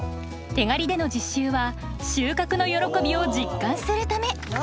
手刈りでの実習は収穫の喜びを実感するため。